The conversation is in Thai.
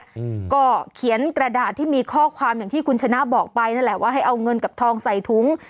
อืมก็เขียนกระดาษที่มีข้อความอย่างที่คุณชนะบอกไปนั่นแหละว่าให้เอาเงินกับทองใส่ถุง